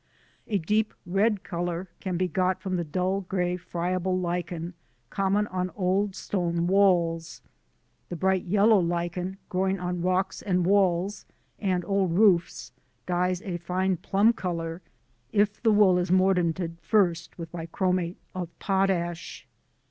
A deep red colour can be got from the dull grey friable Lichen, common on old stone walls. The bright yellow Lichen, growing on rocks and walls, and old roofs, dyes a fine plum colour, if the wool is mordanted first with Bichromate of Potash.